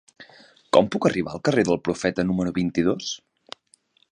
Com puc arribar al carrer del Profeta número vint-i-dos?